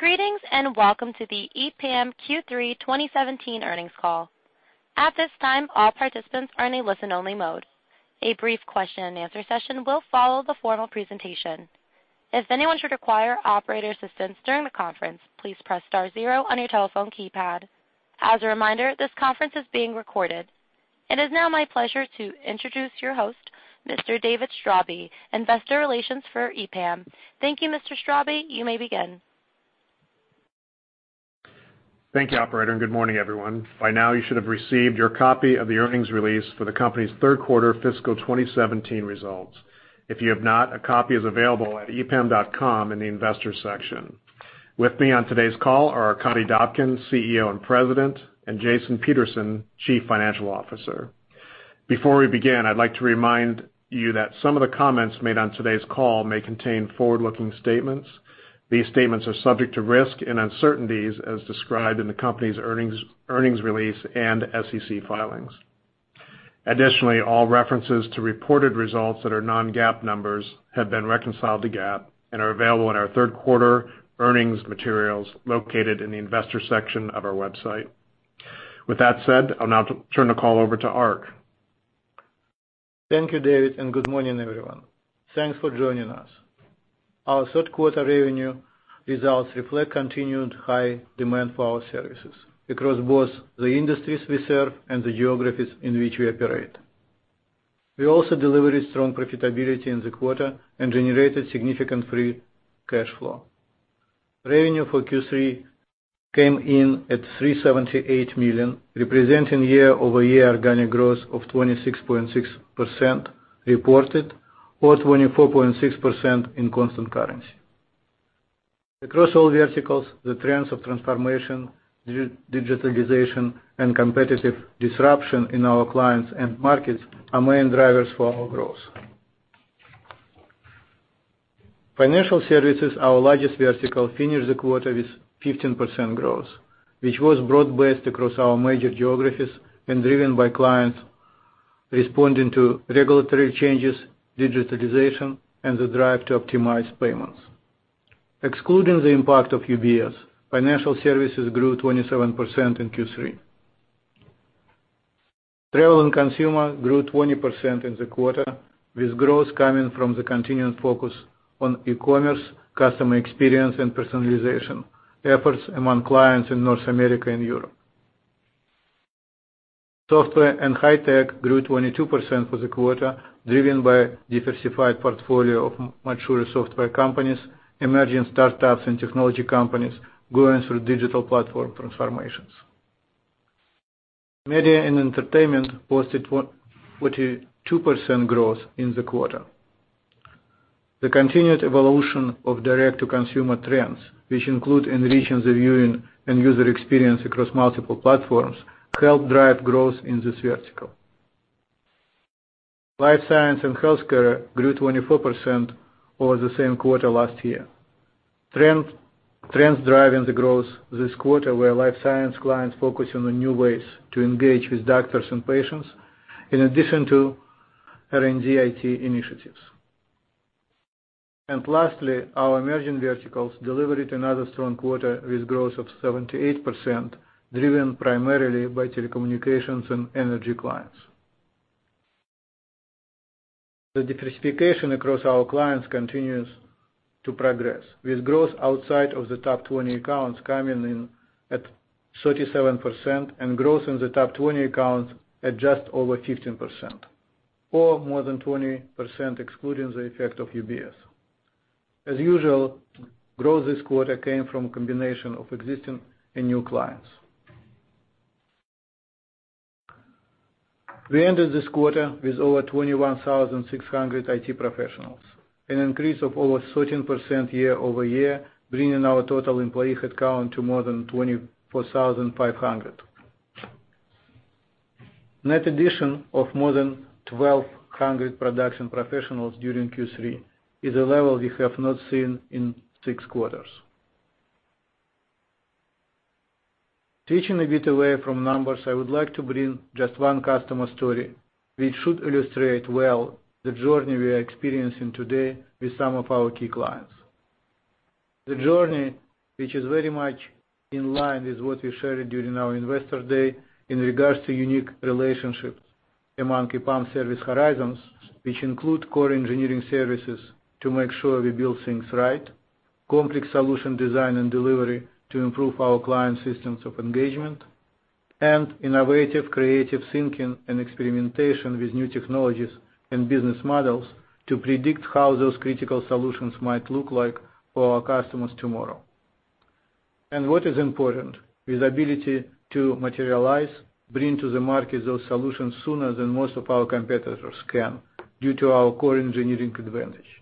Greetings, and welcome to the EPAM Q3 2017 earnings call. At this time, all participants are in a listen-only mode. A brief question and answer session will follow the formal presentation. If anyone should require operator assistance during the conference, please press star zero on your telephone keypad. As a reminder, this conference is being recorded. It is now my pleasure to introduce your host, Mr. David Straube, Investor Relations for EPAM. Thank you, Mr. Straube. You may begin. Thank you, operator. Good morning, everyone. By now, you should have received your copy of the earnings release for the company's third quarter fiscal 2017 results. If you have not, a copy is available at epam.com in the Investors section. With me on today's call are Arkadiy Dobkin, CEO and President, and Jason Peterson, Chief Financial Officer. Before we begin, I'd like to remind you that some of the comments made on today's call may contain forward-looking statements. These statements are subject to risk and uncertainties as described in the company's earnings release and SEC filings. Additionally, all references to reported results that are non-GAAP numbers have been reconciled to GAAP and are available in our third quarter earnings materials located in the Investors section of our website. With that said, I'll now turn the call over to Ark. Thank you, David. Good morning, everyone. Thanks for joining us. Our third quarter revenue results reflect continued high demand for our services across both the industries we serve and the geographies in which we operate. We also delivered strong profitability in the quarter and generated significant free cash flow. Revenue for Q3 came in at $378 million, representing year-over-year organic growth of 26.6% reported or 24.6% in constant currency. Across all verticals, the trends of transformation, digitalization, and competitive disruption in our clients and markets are main drivers for our growth. Financial Services, our largest vertical, finished the quarter with 15% growth, which was broad-based across our major geographies and driven by clients responding to regulatory changes, digitalization, and the drive to optimize payments. Excluding the impact of UBS, Financial Services grew 27% in Q3. Travel and Consumer grew 20% in the quarter, with growth coming from the continuing focus on e-commerce, customer experience, and personalization efforts among clients in North America and Europe. Software and High Tech grew 22% for the quarter, driven by a diversified portfolio of mature software companies, emerging startups, and technology companies going through digital platform transformations. Media and Entertainment posted 42% growth in the quarter. The continued evolution of direct-to-consumer trends, which include enriching the viewing and user experience across multiple platforms, helped drive growth in this vertical. Life Science and Healthcare grew 24% over the same quarter last year. Trends driving the growth this quarter were life science clients focusing on new ways to engage with doctors and patients, in addition to R&D IT initiatives. Lastly, our Emerging Verticals delivered another strong quarter with growth of 78%, driven primarily by telecommunications and energy clients. The diversification across our clients continues to progress, with growth outside of the top 20 accounts coming in at 37%, and growth in the top 20 accounts at just over 15%, or more than 20% excluding the effect of UBS. As usual, growth this quarter came from a combination of existing and new clients. We ended this quarter with over 21,600 IT professionals, an increase of over 13% year-over-year, bringing our total employee headcount to more than 24,500. Net addition of more than 1,200 production professionals during Q3 is a level we have not seen in six quarters. Teaching a bit away from numbers, I would like to bring just one customer story, which should illustrate well the journey we are experiencing today with some of our key clients. The journey, which is very much in line with what we shared during our Investor Day in regards to unique relationships among EPAM service horizons, which include core engineering services to make sure we build things right, complex solution design and delivery to improve our clients' systems of engagement, and innovative creative thinking and experimentation with new technologies and business models to predict how those critical solutions might look like for our customers tomorrow. What is important is ability to materialize, bring to the market those solutions sooner than most of our competitors can due to our core engineering advantage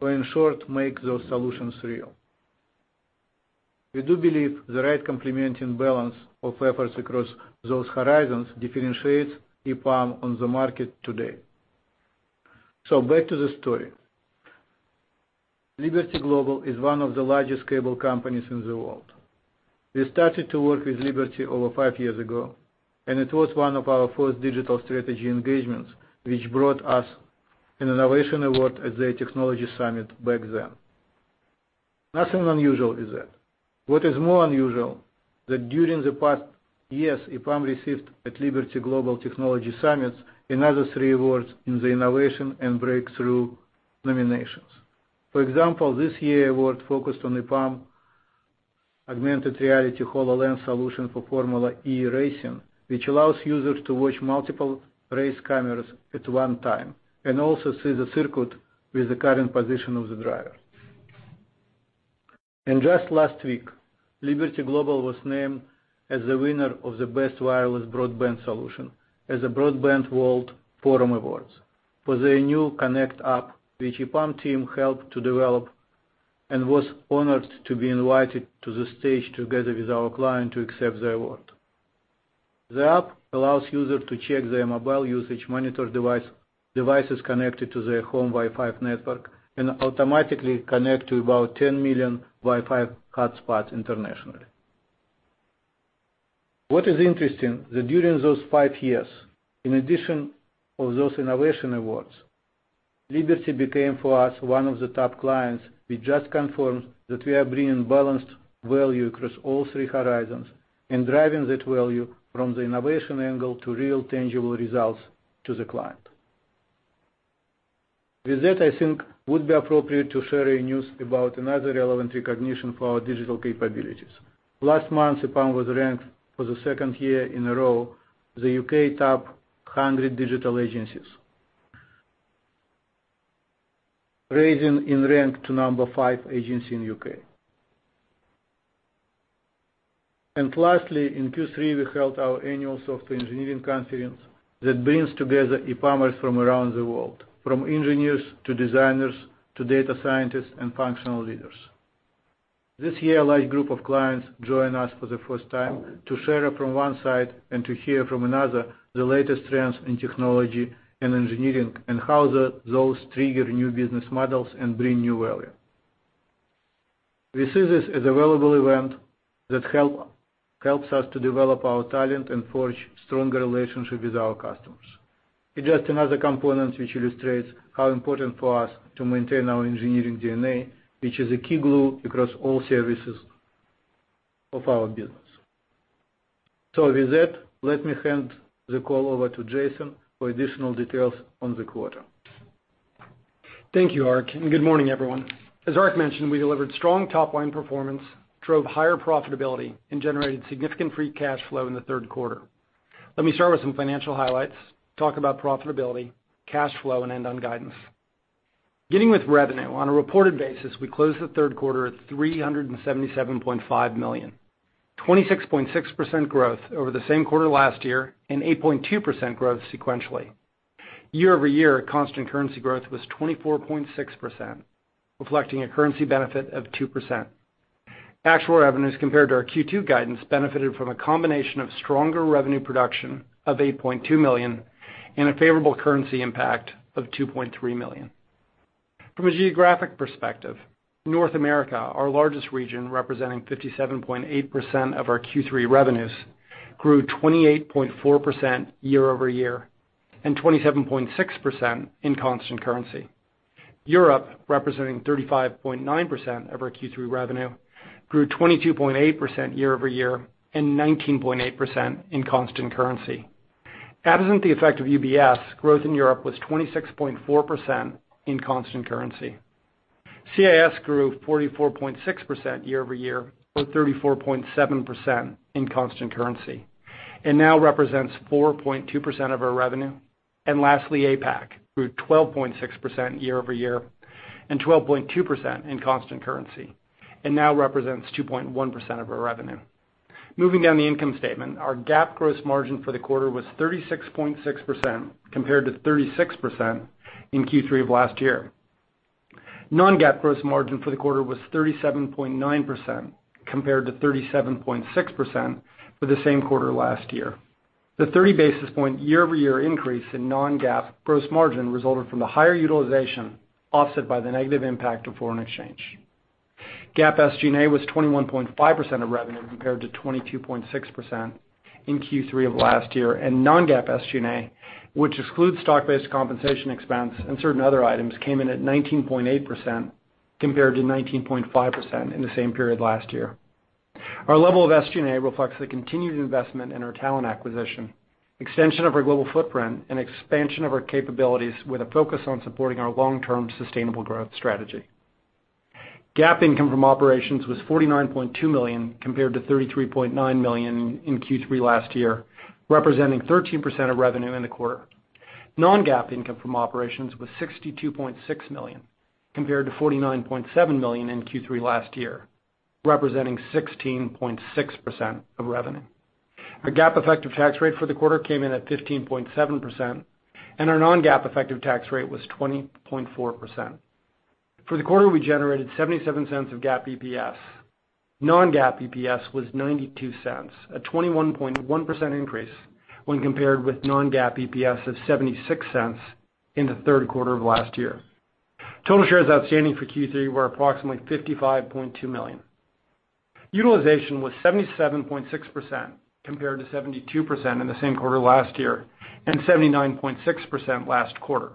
or, in short, make those solutions real. We do believe the right complementing balance of efforts across those horizons differentiates EPAM on the market today. Back to the story. Liberty Global is one of the largest cable companies in the world. We started to work with Liberty over five years ago, and it was one of our first digital strategy engagements, which brought us an innovation award at their technology summit back then. Nothing unusual with that. What is more unusual, that during the past years, EPAM received at Liberty Global Technology Summit, another three awards in the innovation and breakthrough nominations. For example, this year's award focused on EPAM Augmented Reality HoloLens solution for Formula E Racing, which allows users to watch multiple race cameras at one time, and also see the circuit with the current position of the driver. Just last week, Liberty Global was named as the winner of the Best Wireless Broadband Solution as a Broadband Forum Awards for their new Connect App, which EPAM team helped to develop and was honored to be invited to the stage together with our client to accept the award. The app allows users to check their mobile usage, monitor devices connected to their home Wi-Fi network, and automatically connect to about 10 million Wi-Fi hotspots internationally. What is interesting, that during those five years, in addition of those innovation awards, Liberty became for us one of the top clients. We just confirmed that we are bringing balanced value across all three horizons and driving that value from the innovation angle to real tangible results to the client. With that, I think would be appropriate to share a news about another relevant recognition for our digital capabilities. Last month, EPAM was ranked for the second year in a row the UK Top 100 Digital Agencies, raising in rank to number 5 agency in U.K. In Q3, we held our annual software engineering conference that brings together EPAMers from around the world, from engineers to designers to data scientists and functional leaders. This year, a large group of clients joined us for the first time to share from one side and to hear from another the latest trends in technology and engineering and how those trigger new business models and bring new value. We see this as a valuable event that helps us to develop our talent and forge stronger relationship with our customers. It is just another component which illustrates how important for us to maintain our engineering DNA, which is a key glue across all services of our business. With that, let me hand the call over to Jason for additional details on the quarter. Thank you, Ark. Good morning, everyone. As Ark mentioned, we delivered strong top-line performance, drove higher profitability, and generated significant free cash flow in the third quarter. Let me start with some financial highlights, talk about profitability, cash flow, and end on guidance. Beginning with revenue, on a reported basis, we closed the third quarter at $377.5 million, 26.6% growth over the same quarter last year and 8.2% growth sequentially. Year-over-year constant currency growth was 24.6%, reflecting a currency benefit of 2%. Actual revenues compared to our Q2 guidance benefited from a combination of stronger revenue production of $8.2 million and a favorable currency impact of $2.3 million. From a geographic perspective, North America, our largest region representing 57.8% of our Q3 revenues, grew 28.4% year-over-year and 27.6% in constant currency. Europe, representing 35.9% of our Q3 revenue, grew 22.8% year-over-year and 19.8% in constant currency. Absent the effect of UBS, growth in Europe was 26.4% in constant currency. CIS grew 44.6% year-over-year or 34.7% in constant currency and now represents 4.2% of our revenue. Lastly, APAC grew 12.6% year-over-year and 12.2% in constant currency and now represents 2.1% of our revenue. Moving down the income statement, our GAAP gross margin for the quarter was 36.6% compared to 36% in Q3 of last year. Non-GAAP gross margin for the quarter was 37.9% compared to 37.6% for the same quarter last year. The 30-basis point year-over-year increase in non-GAAP gross margin resulted from the higher utilization offset by the negative impact of foreign exchange. GAAP SG&A was 21.5% of revenue compared to 22.6% in Q3 of last year. Non-GAAP SG&A, which excludes stock-based compensation expense and certain other items, came in at 19.8% compared to 19.5% in the same period last year. Our level of SG&A reflects the continued investment in our talent acquisition, extension of our global footprint, and expansion of our capabilities with a focus on supporting our long-term sustainable growth strategy. GAAP income from operations was $49.2 million compared to $33.9 million in Q3 last year, representing 13% of revenue in the quarter. Non-GAAP income from operations was $62.6 million compared to $49.7 million in Q3 last year, representing 16.6% of revenue. Our GAAP effective tax rate for the quarter came in at 15.7%, and our non-GAAP effective tax rate was 20.4%. For the quarter, we generated $0.77 of GAAP EPS. Non-GAAP EPS was $0.92, a 21.1% increase when compared with non-GAAP EPS of $0.76 in the third quarter of last year. Total shares outstanding for Q3 were approximately 55.2 million. Utilization was 77.6%, compared to 72% in the same quarter last year, and 79.6% last quarter.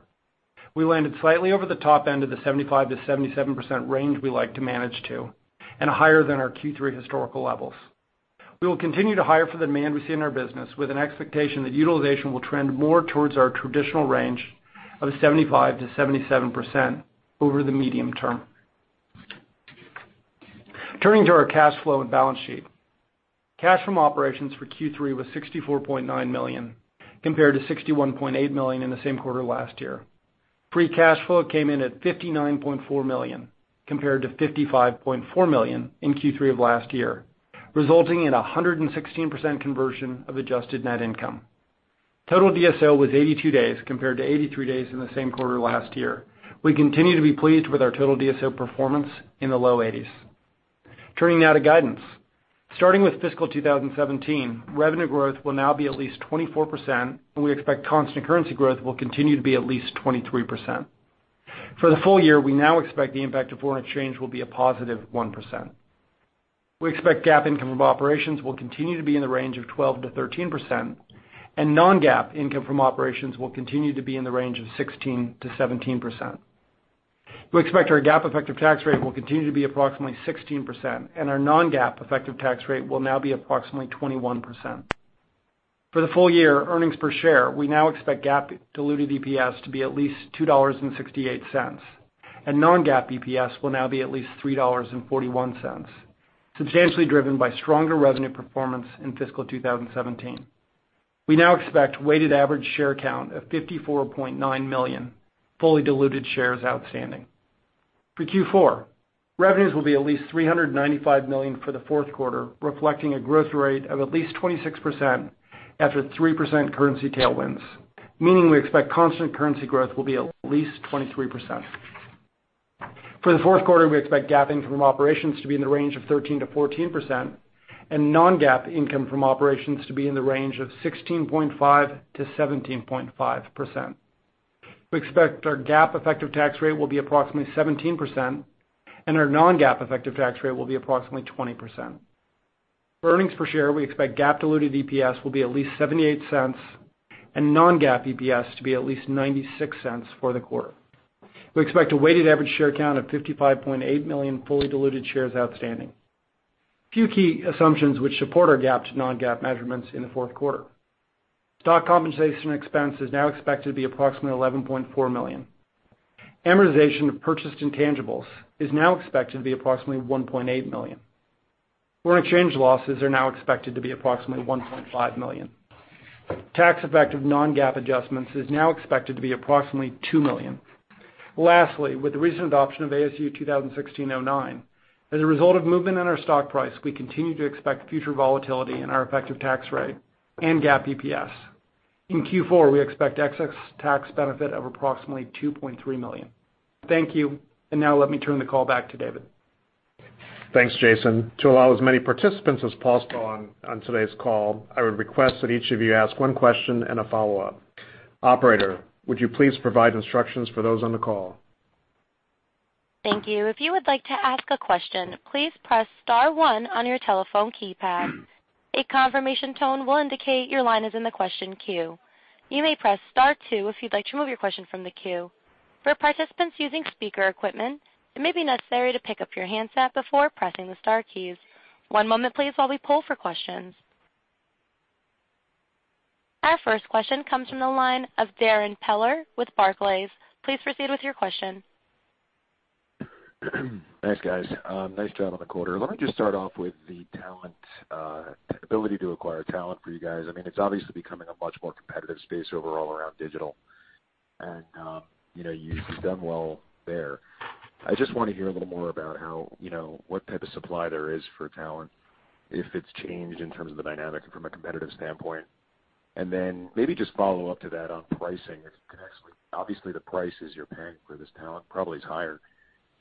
We landed slightly over the top end of the 75%-77% range we like to manage to, and higher than our Q3 historical levels. We will continue to hire for the demand we see in our business, with an expectation that utilization will trend more towards our traditional range of 75%-77% over the medium term. Turning to our cash flow and balance sheet. Cash from operations for Q3 was $64.9 million, compared to $61.8 million in the same quarter last year. Free cash flow came in at $59.4 million, compared to $55.4 million in Q3 of last year, resulting in 116% conversion of adjusted net income. Total DSO was 82 days compared to 83 days in the same quarter last year. We continue to be pleased with our total DSO performance in the low 80s. Turning now to guidance. Starting with fiscal 2017, revenue growth will now be at least 24%, and we expect constant currency growth will continue to be at least 23%. For the full year, we now expect the impact of foreign exchange will be a positive 1%. We expect GAAP income from operations will continue to be in the range of 12%-13%, and non-GAAP income from operations will continue to be in the range of 16%-17%. We expect our GAAP effective tax rate will continue to be approximately 16%, and our non-GAAP effective tax rate will now be approximately 21%. For the full year, earnings per share, we now expect GAAP diluted EPS to be at least $2.68, and non-GAAP EPS will now be at least $3.41, substantially driven by stronger revenue performance in fiscal 2017. We now expect weighted average share count of 54.9 million fully diluted shares outstanding. For Q4, revenues will be at least $395 million for the fourth quarter, reflecting a growth rate of at least 26% after 3% currency tailwinds, meaning we expect constant currency growth will be at least 23%. For the fourth quarter, we expect GAAP income from operations to be in the range of 13%-14%, and non-GAAP income from operations to be in the range of 16.5%-17.5%. We expect our GAAP effective tax rate will be approximately 17%, and our non-GAAP effective tax rate will be approximately 20%. For earnings per share, we expect GAAP diluted EPS will be at least $0.78 and non-GAAP EPS to be at least $0.96 for the quarter. We expect a weighted average share count of 55.8 million fully diluted shares outstanding. A few key assumptions which support our GAAP to non-GAAP measurements in the fourth quarter. Stock compensation expense is now expected to be approximately $11.4 million. Amortization of purchased intangibles is now expected to be approximately $1.8 million. Foreign exchange losses are now expected to be approximately $1.5 million. Tax effect of non-GAAP adjustments is now expected to be approximately $2 million. Lastly, with the recent adoption of ASU 2016-09, as a result of movement in our stock price, we continue to expect future volatility in our effective tax rate and GAAP EPS. In Q4, we expect excess tax benefit of approximately $2.3 million. Thank you. Now let me turn the call back to David. Thanks, Jason. To allow as many participants as possible on today's call, I would request that each of you ask one question and a follow-up. Operator, would you please provide instructions for those on the call? Thank you. If you would like to ask a question, please press star one on your telephone keypad. A confirmation tone will indicate your line is in the question queue. You may press star two if you'd like to remove your question from the queue. For participants using speaker equipment, it may be necessary to pick up your handset before pressing the star keys. One moment please, while we poll for questions. Our first question comes from the line of Darrin Peller with Barclays. Please proceed with your question. Thanks, guys. Nice job on the quarter. Let me just start off with the ability to acquire talent for you guys. It's obviously becoming a much more competitive space overall around digital, and you've done well there. I just want to hear a little more about what type of supply there is for talent, if it's changed in terms of the dynamic from a competitive standpoint. Then maybe just follow up to that on pricing, if you can actually Obviously, the prices you're paying for this talent probably is higher.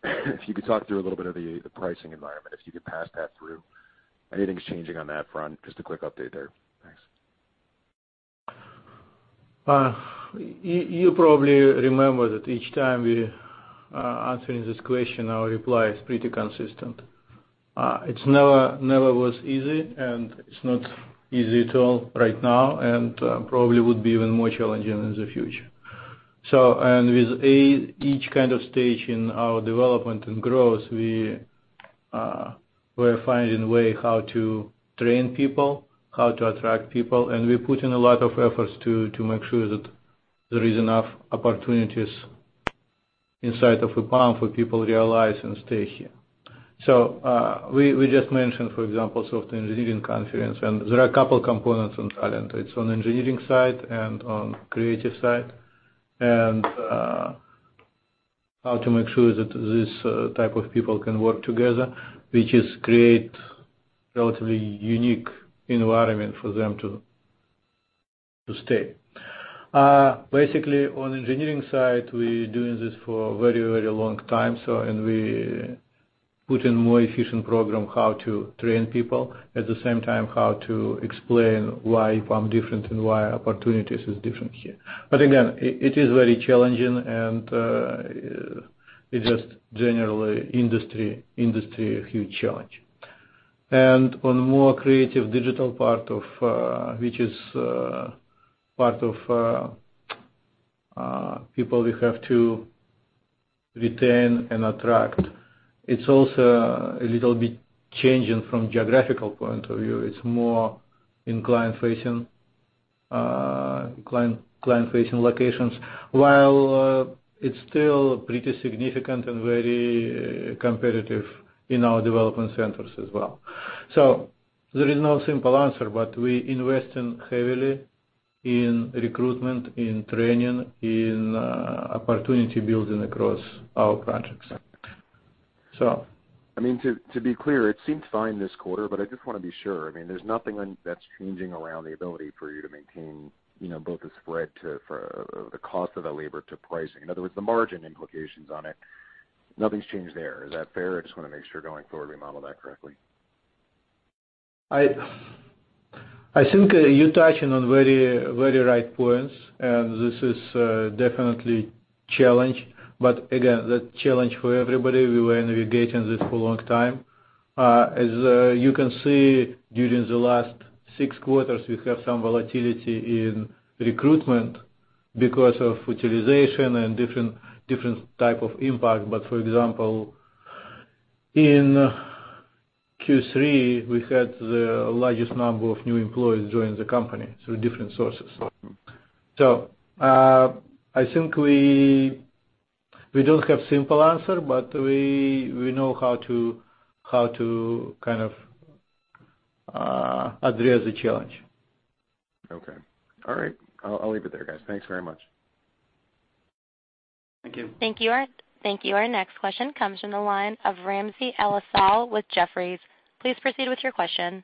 If you could talk through a little bit of the pricing environment, if you could pass that through. Anything's changing on that front? Just a quick update there. Thanks. You probably remember that each time we are answering this question, our reply is pretty consistent. It never was easy, and it's not easy at all right now, and probably would be even more challenging in the future. With each kind of stage in our development and growth, we're finding a way how to train people, how to attract people, and we're putting a lot of efforts to make sure that there is enough opportunities inside of EPAM for people realize and stay here. We just mentioned, for example, soft engineering conference, and there are a couple components on talent. It's on engineering side and on creative side, and how to make sure that these type of people can work together, which is create relatively unique environment for them to stay. Basically, on engineering side, we doing this for a very long time, so and we We put in more efficient program how to train people. At the same time, we explain how to explain why EPAM different and why opportunities is different here. Again, it is very challenging, and it's just generally industry huge challenge. On more creative digital part, which is part of people we have to retain and attract. It's also a little bit changing from geographical point of view. It's more in client-facing locations, while it's still pretty significant and very competitive in our development centers as well. There is no simple answer, but we investing heavily in recruitment, in training, in opportunity building across our projects. To be clear, it seems fine this quarter, but I just want to be sure. There's nothing that's changing around the ability for you to maintain both the spread for the cost of the labor to pricing. In other words, the margin implications on it. Nothing's changed there. Is that fair? I just want to make sure going forward we model that correctly. I think you're touching on very right points, and this is definitely challenge. Again, that's challenge for everybody. We were navigating this for long time. As you can see, during the last six quarters, we have some volatility in recruitment because of utilization and different type of impact. For example, in Q3, we had the largest number of new employees join the company through different sources. Okay. I think we don't have simple answer, but we know how to address the challenge. Okay. All right. I'll leave it there, guys. Thanks very much. Thank you. Thank you. Our next question comes from the line of Ramsey El-Assal with Jefferies. Please proceed with your question.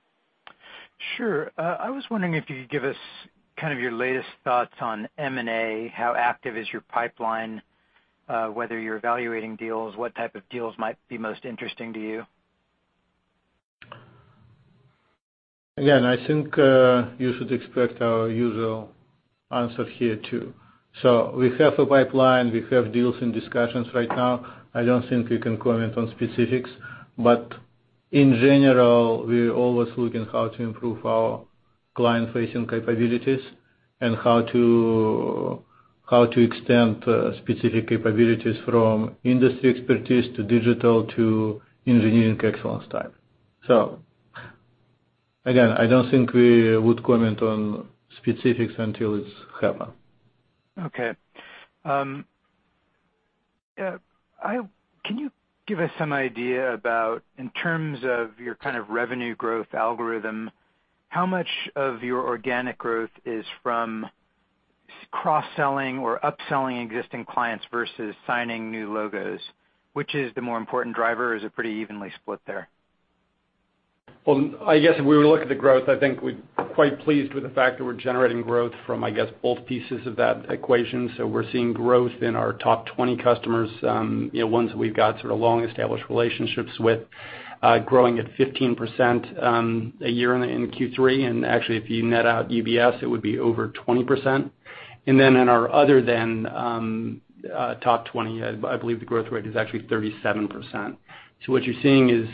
Sure. I was wondering if you could give us your latest thoughts on M&A, how active is your pipeline, whether you're evaluating deals, what type of deals might be most interesting to you? Again, I think you should expect our usual answer here, too. We have a pipeline. We have deals in discussions right now. I don't think we can comment on specifics. In general, we're always looking how to improve our client-facing capabilities and how to extend specific capabilities from industry expertise to digital to engineering excellence type. Again, I don't think we would comment on specifics until it's happen. Okay. Can you give us some idea about, in terms of your revenue growth algorithm, how much of your organic growth is from cross-selling or upselling existing clients versus signing new logos? Which is the more important driver? Is it pretty evenly split there? Well, I guess if we were to look at the growth, I think we're quite pleased with the fact that we're generating growth from, I guess, both pieces of that equation. We're seeing growth in our top 20 customers, ones that we've got sort of long-established relationships with, growing at 15% a year in Q3. Actually, if you net out UBS, it would be over 20%. Then in our other than top 20, I believe the growth rate is actually 37%. What you're seeing is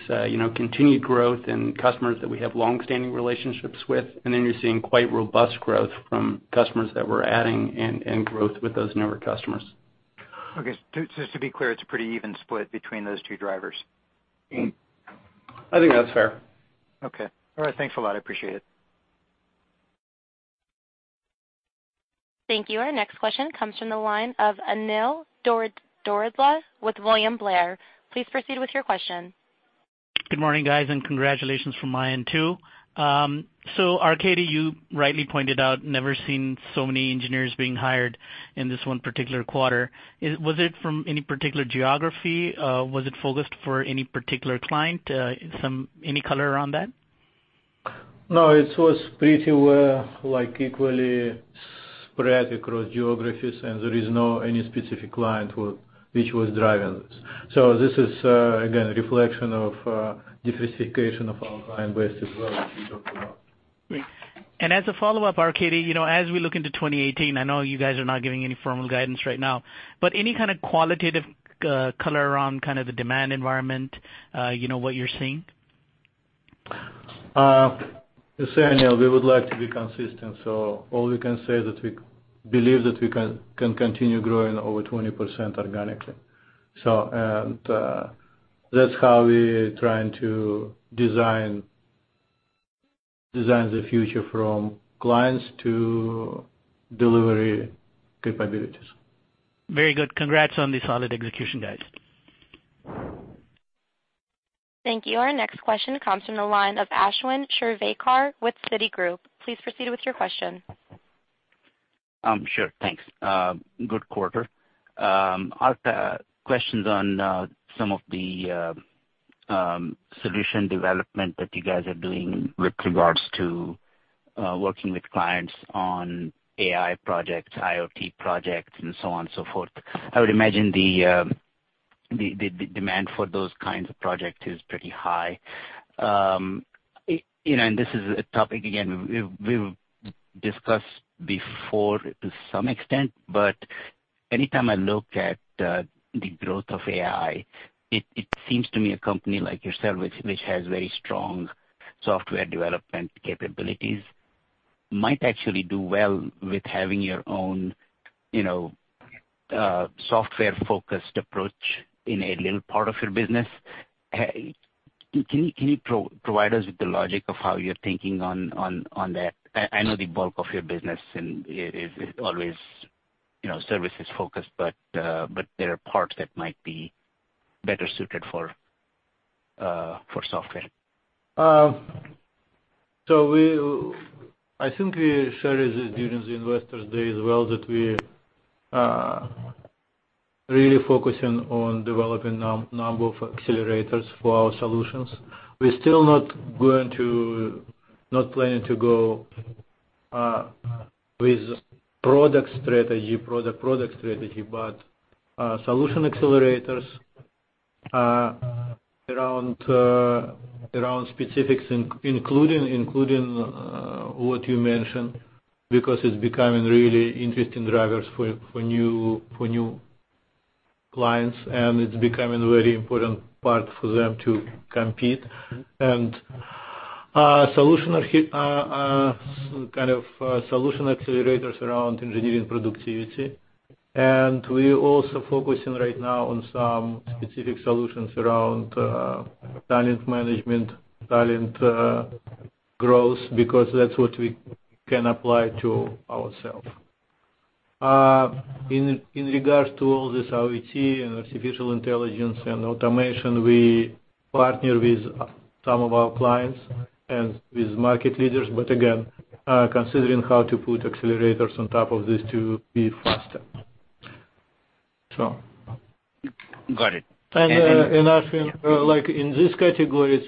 continued growth in customers that we have long-standing relationships with, and then you're seeing quite robust growth from customers that we're adding and growth with those newer customers. Okay. Just to be clear, it's a pretty even split between those two drivers. I think that's fair. Okay. All right. Thanks a lot. I appreciate it. Thank you. Our next question comes from the line of Anil Doradla with William Blair. Please proceed with your question. Good morning, guys, and congratulations from my end, too. Arkady, you rightly pointed out, never seen so many engineers being hired in this one particular quarter. Was it from any particular geography? Was it focused for any particular client? Any color around that? No, it was pretty well equally spread across geographies, and there is no any specific client which was driving this. This is, again, a reflection of diversification of our client base as well, as we talked about. Great. As a follow-up, Arkady, as we look into 2018, I know you guys are not giving any formal guidance right now, but any kind of qualitative color around the demand environment, what you're seeing? Anil, we would like to be consistent. All we can say that we believe that we can continue growing over 20% organically. That's how we are trying to design the future from clients to delivery capabilities. Very good. Congrats on the solid execution, guys. Thank you. Our next question comes from the line of Ashwin Shirvaikar with Citigroup. Please proceed with your question. Sure. Thanks. Good quarter. I'll ask questions on some of the solution development that you guys are doing with regards to Working with clients on AI projects, IoT projects, and so on and so forth. I would imagine the demand for those kinds of project is pretty high. This is a topic, again, we've discussed before to some extent, but anytime I look at the growth of AI, it seems to me a company like yourself, which has very strong software development capabilities, might actually do well with having your own software-focused approach in a little part of your business. Can you provide us with the logic of how you're thinking on that? I know the bulk of your business is always services focused, but there are parts that might be better suited for software. I think we shared this during the Investor Day as well, that we are really focusing on developing a number of accelerators for our solutions. We're still not planning to go with product strategy, but solution accelerators around specifics, including what you mentioned, because it's becoming really interesting drivers for new clients, and it's becoming a very important part for them to compete. Solution accelerators around engineering productivity. We're also focusing right now on some specific solutions around talent management, talent growth, because that's what we can apply to ourself. In regard to all this IoT and artificial intelligence and automation, we partner with some of our clients and with market leaders, but again, considering how to put accelerators on top of this to be faster. Got it. Ashwin, in these categories,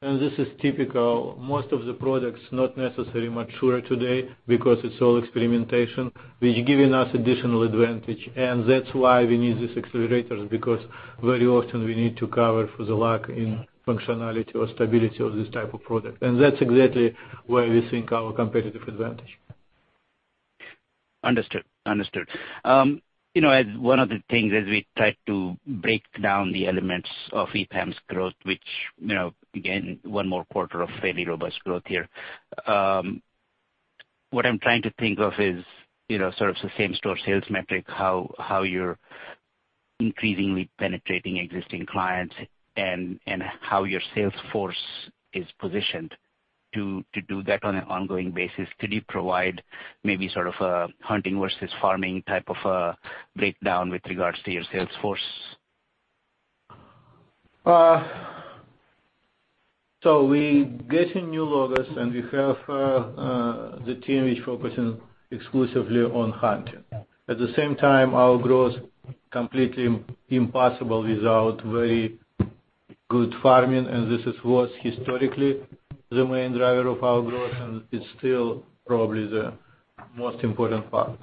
and this is typical, most of the products not necessarily mature today because it's all experimentation, which is giving us additional advantage, and that's why we need these accelerators, because very often we need to cover for the lack in functionality or stability of this type of product. That's exactly where we think our competitive advantage. Understood. One of the things as we try to break down the elements of EPAM's growth, which again, one more quarter of fairly robust growth here. What I'm trying to think of is sort of the same-store sales metric, how you're increasingly penetrating existing clients and how your sales force is positioned to do that on an ongoing basis. Could you provide maybe sort of a hunting versus farming type of a breakdown with regards to your sales force? We getting new logos and we have the team which focusing exclusively on hunting. At the same time, our growth completely impossible without very good farming, and this was historically the main driver of our growth, and it's still probably the most important part.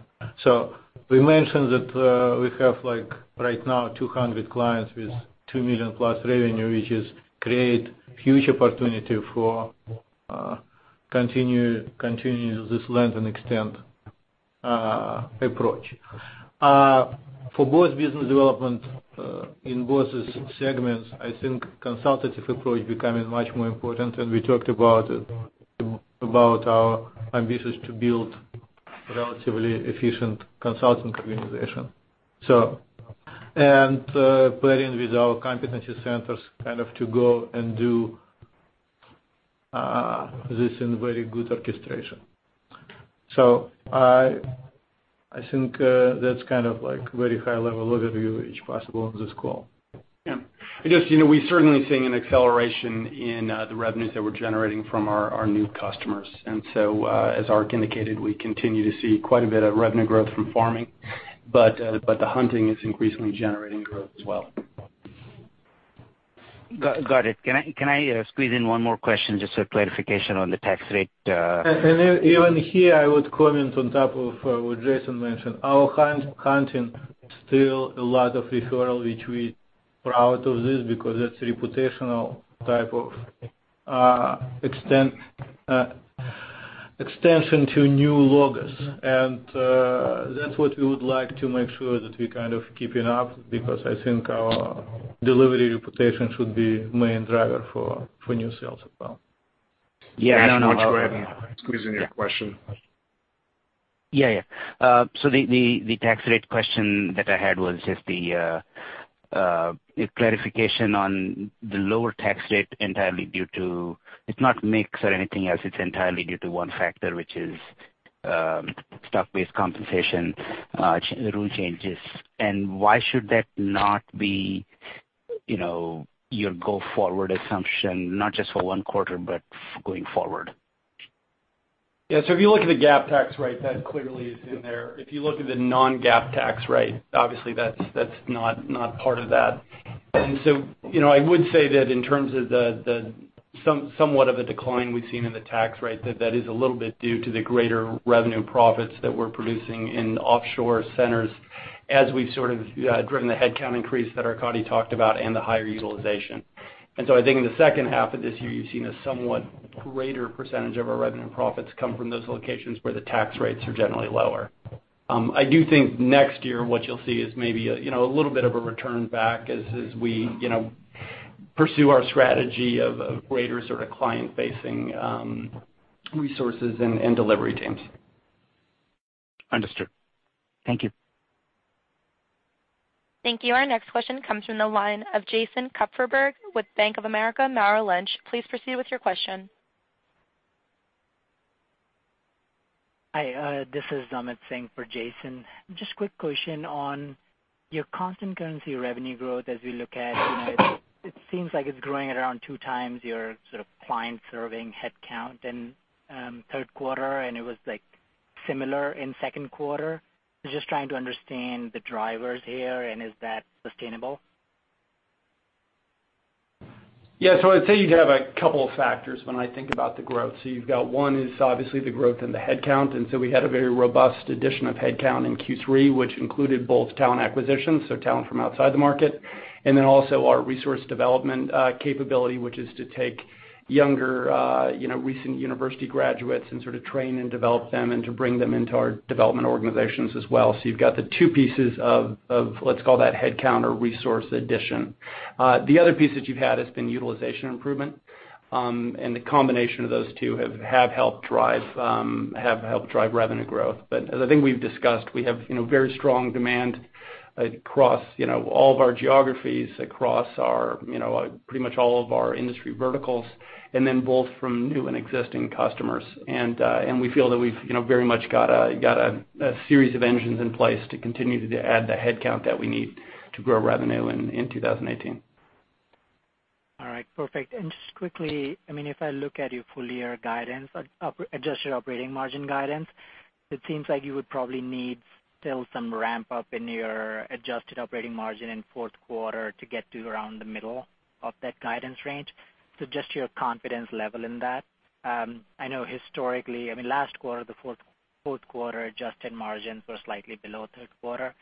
We mentioned that we have right now 200 clients with $2 million-plus revenue, which is create huge opportunity for continue this land and expand approach. For both business development in both segments, I think consultative approach becoming much more important, and we talked about our ambitions to build relatively efficient consulting organization. Playing with our competency centers to go and do this in very good orchestration. I think that's very high-level overview, which possible on this call. Yeah. We certainly seeing an acceleration in the revenues that we're generating from our new customers. As Ark indicated, we continue to see quite a bit of revenue growth from farming, but the hunting is increasingly generating growth as well. Got it. Can I squeeze in one more question just for clarification on the tax rate? Even here, I would comment on top of what Jason mentioned. Our hunting is still a lot of referral, which we proud of this because that's reputational type of extension to new logos. That's what we would like to make sure that we kind of keeping up, because I think our delivery reputation should be main driver for new sales as well. Yeah, no. Thanks very much for squeezing your question. Yeah. The tax rate question that I had was just the clarification on the lower tax rate entirely due to, it's not mix or anything else, it's entirely due to one factor, which is stock-based compensation rule changes. Why should that not be your go-forward assumption, not just for one quarter, but going forward? Yeah. If you look at the GAAP tax rate, that clearly is in there. If you look at the non-GAAP tax rate, obviously that's not part of that. I would say that in terms of somewhat of a decline we've seen in the tax rate, that is a little bit due to the greater revenue profits that we're producing in offshore centers as we've sort of driven the headcount increase that Arkadiy talked about and the higher utilization. I think in the second half of this year, you've seen a somewhat greater percentage of our revenue and profits come from those locations where the tax rates are generally lower. I do think next year what you'll see is maybe a little bit of a return back as we pursue our strategy of greater client-facing resources and delivery teams. Understood. Thank you. Thank you. Our next question comes from the line of Jason Kupferberg with Bank of America Merrill Lynch. Please proceed with your question. Hi, this is Amit Singh for Jason. Just quick question on your constant currency revenue growth as we look at it. It seems like it's growing at around two times your sort of client-serving headcount in third quarter, and it was similar in second quarter. Is that sustainable? Yeah. I'd say you'd have a couple of factors when I think about the growth. You've got one is obviously the growth in the headcount, and so we had a very robust addition of headcount in Q3, which included both talent acquisitions, so talent from outside the market, and then also our resource development capability, which is to take younger, recent university graduates and sort of train and develop them and to bring them into our development organizations as well. You've got the two pieces of, let's call that headcount or resource addition. The other piece that you've had has been utilization improvement. The combination of those two have helped drive revenue growth. As I think we've discussed, we have very strong demand across all of our geographies, across pretty much all of our industry verticals, and then both from new and existing customers. We feel that we've very much got a series of engines in place to continue to add the headcount that we need to grow revenue in 2018. All right, perfect. Just quickly, if I look at your full-year guidance, adjusted operating margin guidance, it seems like you would probably need still some ramp-up in your adjusted operating margin in fourth quarter to get to around the middle of that guidance range. Just your confidence level in that. I know historically, last quarter, the fourth quarter adjusted margins were slightly below third quarter.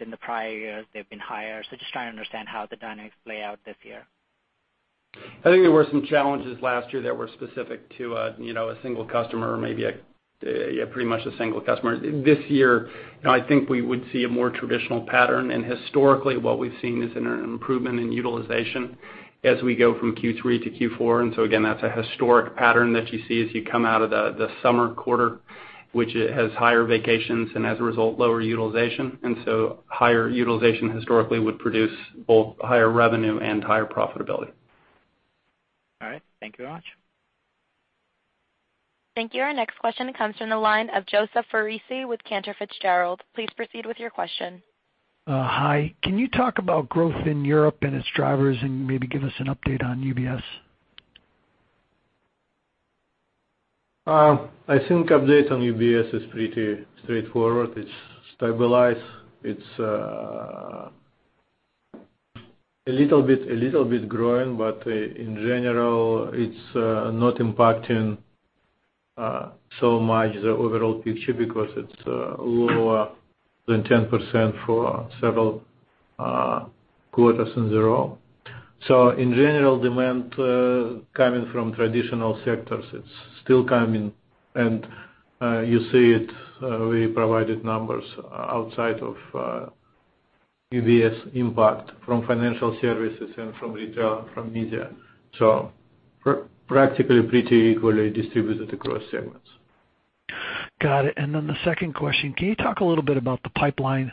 In the prior years, they've been higher. Just trying to understand how the dynamics play out this year. I think there were some challenges last year that were specific to a single customer, or maybe pretty much a single customer. This year, I think we would see a more traditional pattern. Historically, what we've seen is an improvement in utilization as we go from Q3 to Q4. Again, that's a historic pattern that you see as you come out of the summer quarter, which has higher vacations and, as a result, lower utilization. Higher utilization historically would produce both higher revenue and higher profitability. All right. Thank you very much. Thank you. Our next question comes from the line of Joseph Foresi with Cantor Fitzgerald. Please proceed with your question. Hi. Can you talk about growth in Europe and its drivers and maybe give us an update on UBS? I think update on UBS is pretty straightforward. It's stabilized. It's a little bit growing, but in general, it's not impacting so much the overall picture because it's lower than 10% for several quarters in a row. In general, demand coming from traditional sectors, it's still coming, and you see it. We provided numbers outside of UBS impact from financial services and from retail, from media. Practically pretty equally distributed across segments. Got it. Then the second question, can you talk a little bit about the pipeline?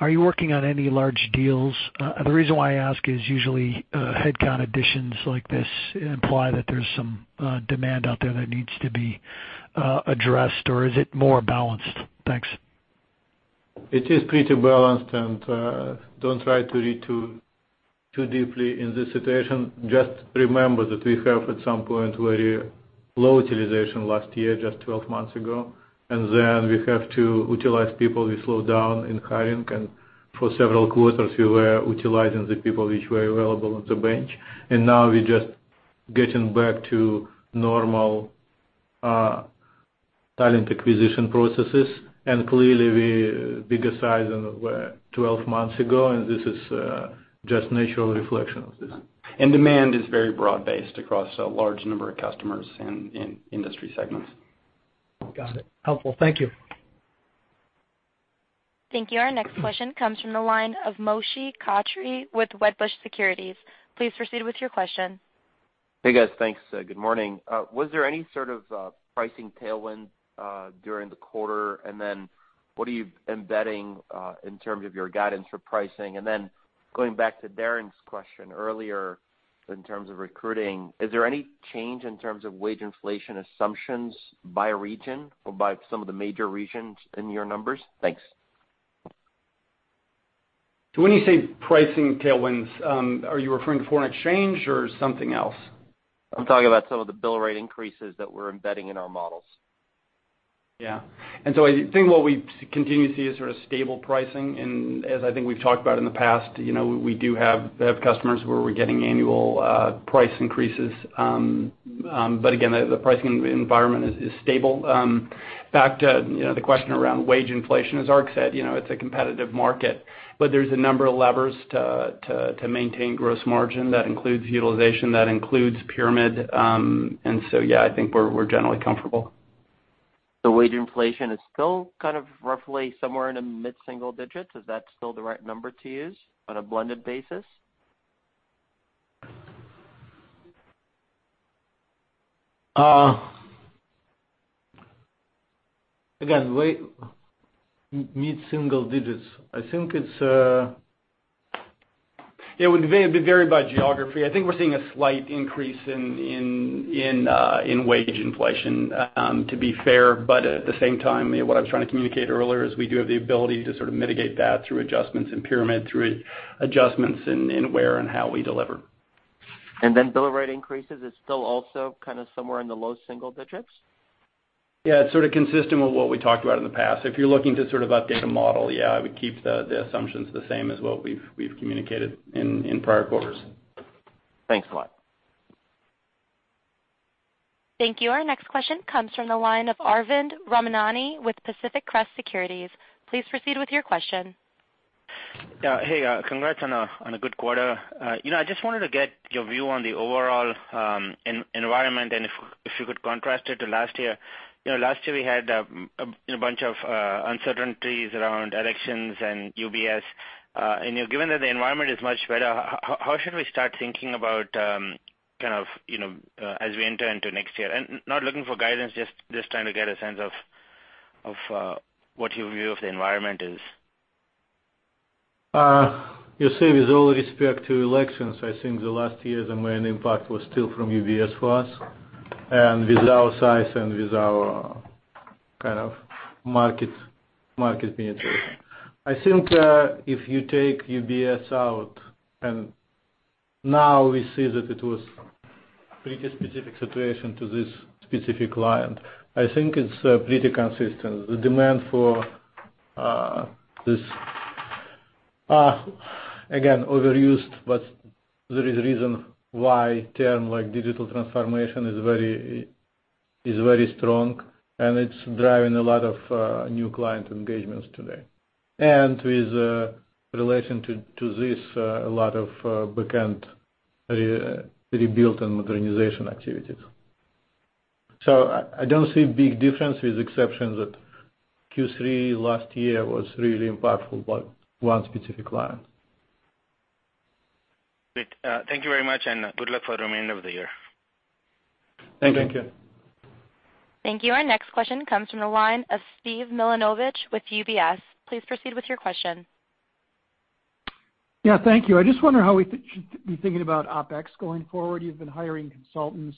Are you working on any large deals? The reason why I ask is usually headcount additions like this imply that there's some demand out there that needs to be addressed, or is it more balanced? Thanks. It is pretty balanced, don't try to read too deeply in this situation. Just remember that we have, at some point, very low utilization last year, just 12 months ago. Then we have to utilize people. We slowed down in hiring, and for several quarters, we were utilizing the people which were available on the bench. Now we're just getting back to normal talent acquisition processes. Clearly, we are bigger size than we were 12 months ago, and this is just natural reflection of this. Demand is very broad-based across a large number of customers and industry segments. Got it. Helpful. Thank you. Thank you. Our next question comes from the line of Moshe Katri with Wedbush Securities. Please proceed with your question. Hey, guys. Thanks. Good morning. Was there any sort of pricing tailwind during the quarter? What are you embedding in terms of your guidance for pricing? Going back to Darrin's question earlier in terms of recruiting, is there any change in terms of wage inflation assumptions by region or by some of the major regions in your numbers? Thanks. When you say pricing tailwinds, are you referring to foreign exchange or something else? I'm talking about some of the bill rate increases that we're embedding in our models. Yeah. I think what we continue to see is stable pricing. As I think we've talked about in the past, we do have customers where we're getting annual price increases. Again, the pricing environment is stable. Back to the question around wage inflation, as Ark said, it's a competitive market. There's a number of levers to maintain gross margin. That includes utilization, that includes pyramid. Yeah, I think we're generally comfortable. The wage inflation is still roughly somewhere in the mid-single digits. Is that still the right number to use on a blended basis? Again, mid-single digits. I think it would vary by geography. I think we're seeing a slight increase in wage inflation, to be fair. At the same time, what I was trying to communicate earlier is we do have the ability to mitigate that through adjustments in pyramid, through adjustments in where and how we deliver. Then bill rate increases is still also somewhere in the low single digits? Yeah, it's consistent with what we talked about in the past. If you're looking to update a model, yeah, I would keep the assumptions the same as what we've communicated in prior quarters. Thanks a lot. Thank you. Our next question comes from the line of Arvind Ramnani with Pacific Crest Securities. Please proceed with your question. Yeah. Hey, congrats on a good quarter. I just wanted to get your view on the overall environment, and if you could contrast it to last year. Last year, we had a bunch of uncertainties around elections and UBS. Given that the environment is much better, how should we start thinking about as we enter into next year? Not looking for guidance, just trying to get a sense of what your view of the environment is. You see, with all respect to elections, I think last year, the main impact was still from UBS for us, and with our size and with our market penetration. I think if you take UBS out, and now we see that it was pretty specific situation to this specific client. I think it's pretty consistent. The demand for this, again, overused, but there is a reason why term like digital transformation is very strong, and it's driving a lot of new client engagements today. With relation to this, a lot of back-end rebuild and modernization activities. I don't see a big difference, with exception that Q3 last year was really impactful by one specific client. Great. Thank you very much, and good luck for the remainder of the year. Thank you. Thank you. Thank you. Our next question comes from the line of Steven Milunovich with UBS. Please proceed with your question. Thank you. I just wonder how we should be thinking about OpEx going forward. You've been hiring consultants.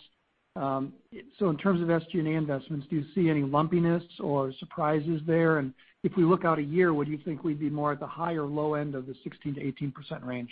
In terms of SG&A investments, do you see any lumpiness or surprises there? If we look out a year, would you think we'd be more at the high or low end of the 16%-18% range?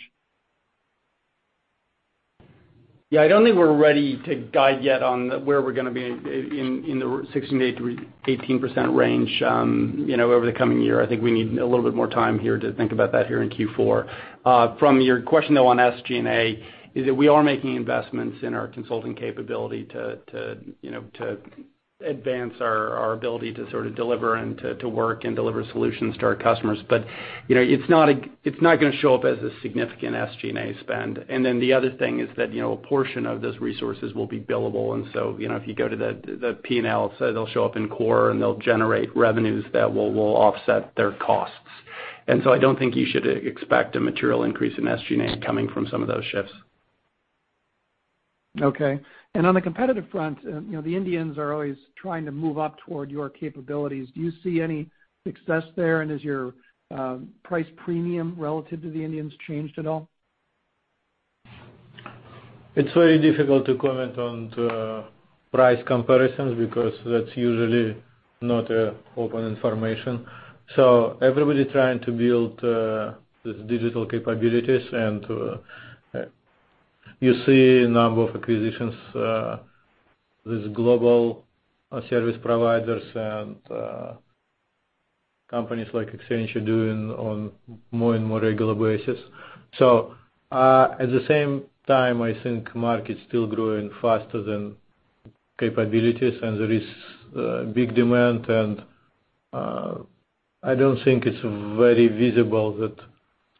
I don't think we're ready to guide yet on where we're going to be in the 16%-18% range over the coming year. I think we need a little bit more time here to think about that here in Q4. From your question, though, on SG&A, is that we are making investments in our consulting capability to advance our ability to deliver and to work and deliver solutions to our customers. It's not going to show up as a significant SG&A spend. The other thing is that a portion of those resources will be billable, if you go to the P&L, they'll show up in core, and they'll generate revenues that will offset their costs. I don't think you should expect a material increase in SG&A coming from some of those shifts. Okay. On the competitive front, the Indians are always trying to move up toward your capabilities. Do you see any success there? Has your price premium relative to the Indians changed at all? It's very difficult to comment on the price comparisons because that's usually not open information. Everybody trying to build these digital capabilities, and you see a number of acquisitions with global service providers and companies like Accenture doing on more and more regular basis. At the same time, I think market's still growing faster than capabilities, and there is big demand, and I don't think it's very visible that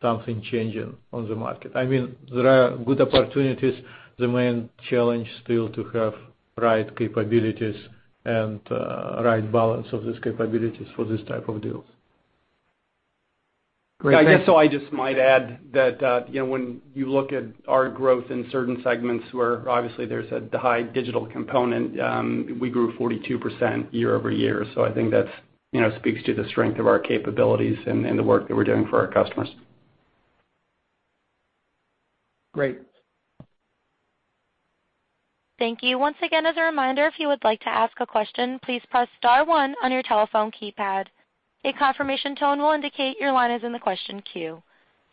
something changing on the market. There are good opportunities. The main challenge still to have right capabilities and right balance of these capabilities for this type of deals. Great, thank you. I just might add that when you look at our growth in certain segments where obviously there's a high digital component, we grew 42% year-over-year. I think that speaks to the strength of our capabilities and the work that we're doing for our customers. Great. Thank you. Once again, as a reminder, if you would like to ask a question, please press star one on your telephone keypad. A confirmation tone will indicate your line is in the question queue.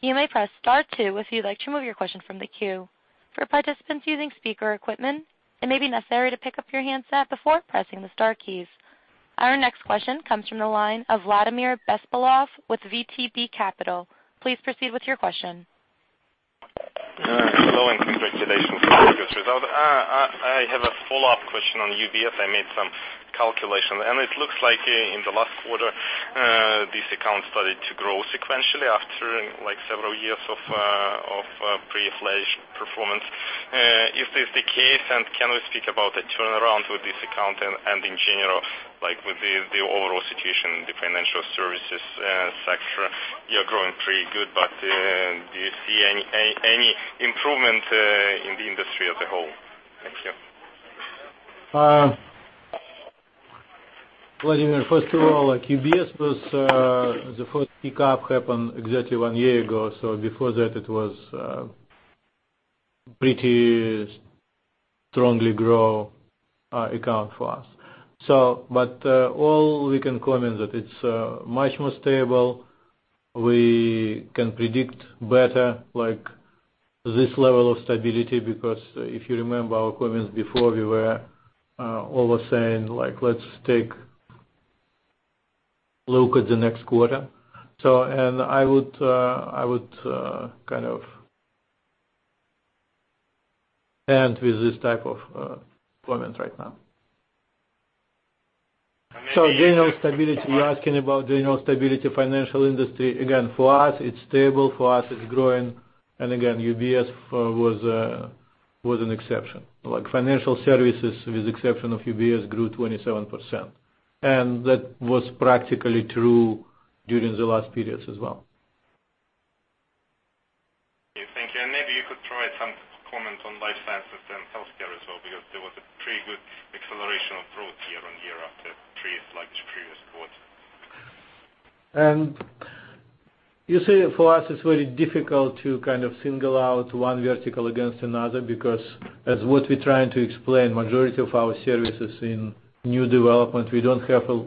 You may press star two if you'd like to remove your question from the queue. For participants using speaker equipment, it may be necessary to pick up your handset before pressing the star keys. Our next question comes from the line of Vladimir Bespalov with VTB Capital. Please proceed with your question. Hello. Congratulations on your good result. I have a follow-up question on UBS. I made some calculations, and it looks like in the last quarter, this account started to grow sequentially after several years of pretty flat performance. If this is the case, can we speak about a turnaround with this account and in general with the overall situation in the financial services sector? You are growing pretty good. Do you see any improvement in the industry as a whole? Thank you. Vladimir, first of all, UBS was the first pickup happened exactly one year ago. Before that it was pretty strongly grow account for us. All we can comment that it's much more stable. We can predict better this level of stability because if you remember our comments before, we were always saying, "Let's take a look at the next quarter." I would end with this type of comment right now. General stability, you're asking about general stability financial industry. Again, for us, it's stable. For us, it's growing. Again, UBS was an exception. Financial services, with exception of UBS, grew 27%. That was practically true during the last periods as well. Okay, thank you. Maybe you could provide some comment on life sciences and healthcare as well, because there was a pretty good acceleration of growth year-over-year after previous quarter. You see, for us, it's very difficult to single out one vertical against another because as what we're trying to explain, majority of our services in new development, we don't have a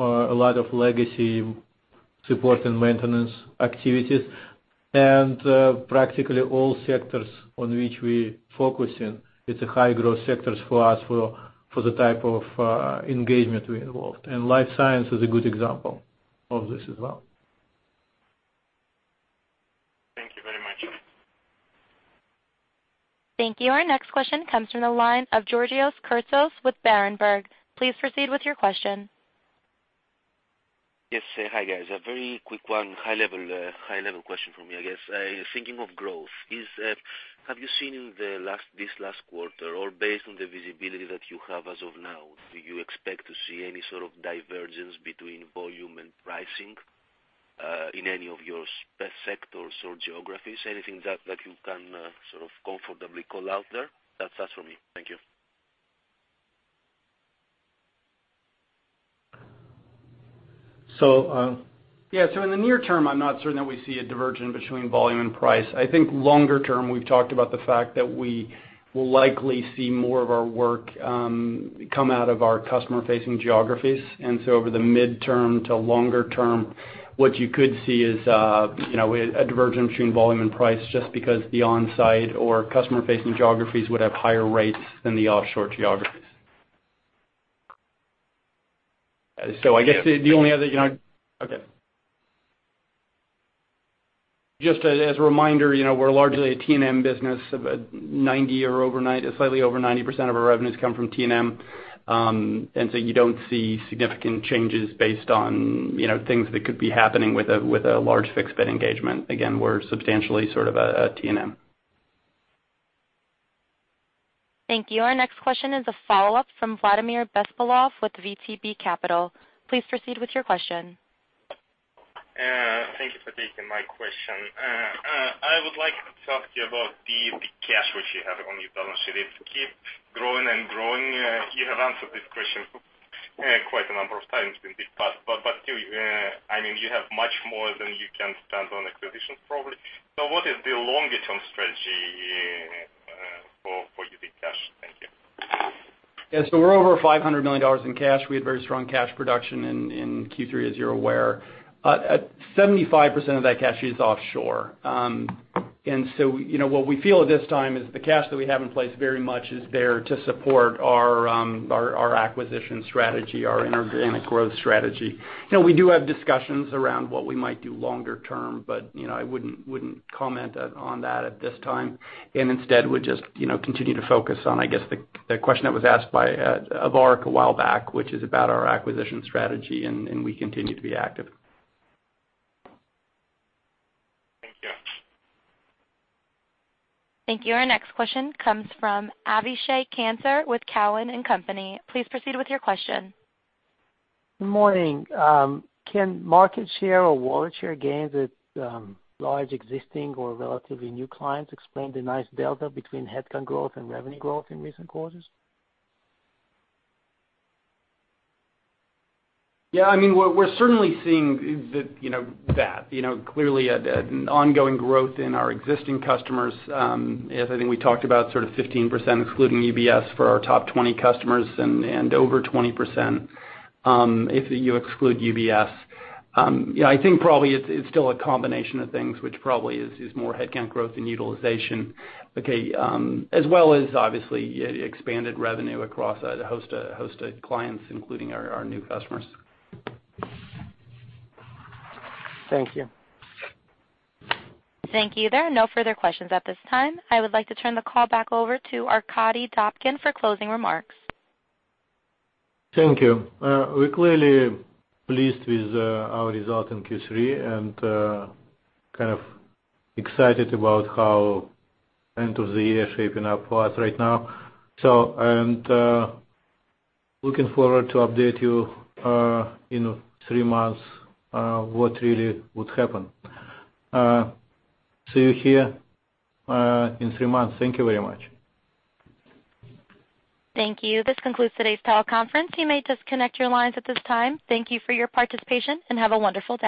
lot of legacy support and maintenance activities. Practically all sectors on which we focus in, it's a high-growth sectors for us for the type of engagement we involved. Life science is a good example of this as well. Thank you very much. Thank you. Our next question comes from the line of Georgios Kertsos with Berenberg. Please proceed with your question. Yes, hi, guys. A very quick one, high-level question from me, I guess. Thinking of growth, have you seen in this last quarter or based on the visibility that you have as of now, do you expect to see any sort of divergence between volume and pricing in any of your spec sectors or geographies? Anything that you can sort of comfortably call out there? That's us for me. Thank you. So- In the near term, I'm not certain that we see a divergence between volume and price. I think longer term, we've talked about the fact that we will likely see more of our work come out of our customer-facing geographies. Over the midterm to longer term, what you could see is a divergence between volume and price just because the onsite or customer-facing geographies would have higher rates than the offshore geographies. Just as a reminder, we're largely a T&M business of 90% or slightly over 90% of our revenues come from T&M. You don't see significant changes based on things that could be happening with a large fixed-bid engagement. Again, we're substantially sort of a T&M. Thank you. Our next question is a follow-up from Vladimir Bespalov with VTB Capital. Please proceed with your question. Thank you for taking my question. I would like to talk to you about the big cash which you have on your balance sheet. It keep growing and growing. You have answered this question quite a number of times in the past, but still, you have much more than you can spend on acquisitions, probably. What is the longer-term strategy for your big cash? Thank you. Yeah. We're over $500 million in cash. We had very strong cash production in Q3, as you're aware. 75% of that cash is offshore. What we feel at this time is the cash that we have in place very much is there to support our acquisition strategy, our inorganic growth strategy. We do have discussions around what we might do longer term, but I wouldn't comment on that at this time and instead would just continue to focus on, I guess the question that was asked by Avishai a while back, which is about our acquisition strategy. We continue to be active. Thank you. Thank you. Our next question comes from Avishai Kantor with Cowen and Company. Please proceed with your question. Good morning. Can market share or wallet share gains at large existing or relatively new clients explain the nice delta between headcount growth and revenue growth in recent quarters? Yeah, we're certainly seeing that. Clearly an ongoing growth in our existing customers as I think we talked about sort of 15%, excluding UBS for our top 20 customers and over 20% if you exclude UBS. Yeah, I think probably it's still a combination of things which probably is more headcount growth and utilization. Okay, as well as obviously expanded revenue across a host of clients, including our new customers. Thank you. Thank you. There are no further questions at this time. I would like to turn the call back over to Arkady Dobkin for closing remarks. Thank you. We're clearly pleased with our result in Q3. Kind of excited about how end of the year shaping up for us right now. Looking forward to update you in three months what really would happen. See you here in three months. Thank you very much. Thank you. This concludes today's teleconference. You may disconnect your lines at this time. Thank you for your participation and have a wonderful day.